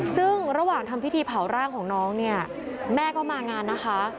ซึ่งระหว่างทำพิธีเผาร่างของน้องเนี่ยแม่ก็มางานนะคะ